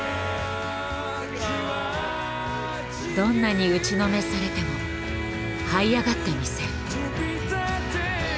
「どんなに打ちのめされてもはい上がってみせる」。